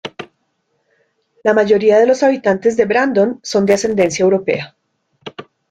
La mayoría de los habitantes de Brandon son de ascendencia europea.